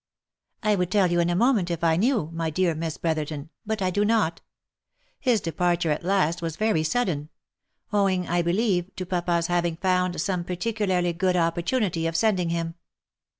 "jl would tell you in a moment, if I knew, my dear Miss Brother ton, but I do not. His departure at last was very sudden ; owing, I believe, to papa's having found some particularly good opportunity of sending him."